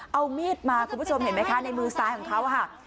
เอามีดมาคุณผู้ชมเห็นไหมคะในมือซ้ายของเขาค่ะ